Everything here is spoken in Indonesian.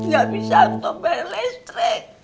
gak bisa untuk bayar listrik